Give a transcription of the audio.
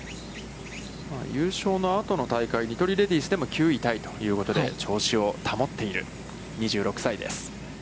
優勝のあとの大会ニトリレディースでも９位タイ行ったことで、調子を保っている２６歳です。